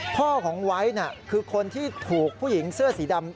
พ่อของไว้คือคนที่ถูกผู้หญิงเสื้อสีดำ